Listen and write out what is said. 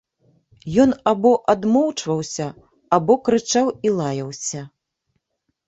Ён або адмоўчваўся, або крычаў і лаяўся.